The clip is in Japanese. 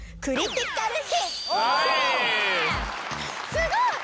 すごい！